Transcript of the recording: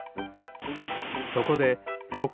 そこでそっ